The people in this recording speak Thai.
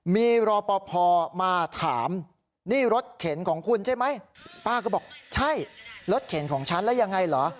มีรอปภมาถามนี่รถเข็นของคุณใช่ไหมป้าก็บอกใช่รถเข็นของฉันแล้วยังไงเหรอ